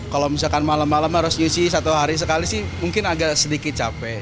kalau misalkan malam malam harus nyusi satu hari sekali sih mungkin agak sedikit capek